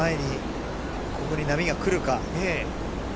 ここに波が来るか？